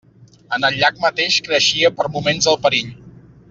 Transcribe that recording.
En el llac mateix creixia per moments el perill.